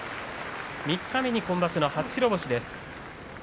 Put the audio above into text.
三日目に今場所、初白星です。